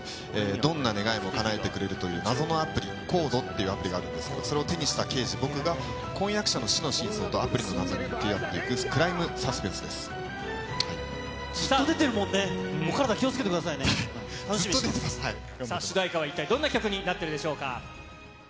どんな願いもかなえてくれるという謎のアプリ、ＣＯＤＥっていうアプリがあるんですけど、それを手にした刑事、僕が、婚約者の死の真相とアプリの謎に迫っていくクライムサスペンスでずっと出てるもんね、お体気さあ、主題歌は一体どんな曲になっているんでしょうか。